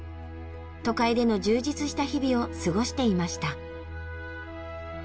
都会での充実した日々を過ごしていました。